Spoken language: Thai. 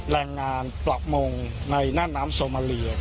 แรงงานปรับมงในน้ำน้ำสโมเมลีย